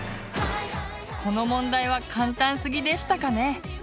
この問題は簡単すぎでしたかね。